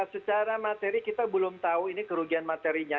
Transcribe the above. secara materi kita belum tahu ini kerugian materinya